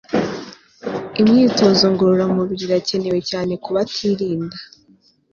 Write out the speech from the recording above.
Imyitozo ngororamubiri irakenewe cyane ku batirinda